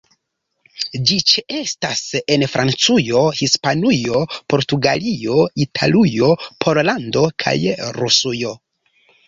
Ĝi ĉeestas en Francujo, Hispanujo, Portugalio, Italujo, Pollando kaj Rusujo.